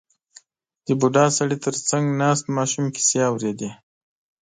• د بوډا سړي تر څنګ ناست ماشوم کیسې اورېدې.